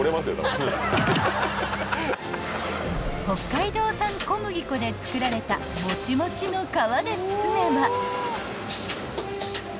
［北海道産小麦粉で作られたもちもちの］